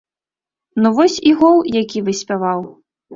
Ну вось і гол, які выспяваў.